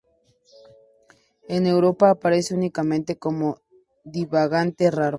En Europa aparece únicamente como divagante raro.